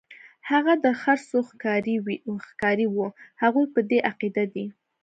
هغه د غرڅو ښکاري وو، هغوی په دې عقیده دي.